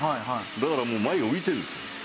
だからもう前が浮いてるんですよ。